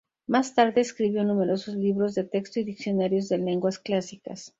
Más tarde escribió numerosos libros de texto y diccionarios de lenguas clásicas.